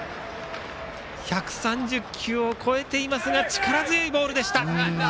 １３０球を超えていますが力強いボールでした。